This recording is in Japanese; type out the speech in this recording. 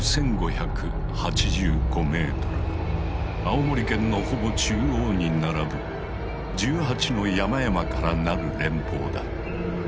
青森県のほぼ中央に並ぶ１８の山々から成る連峰だ。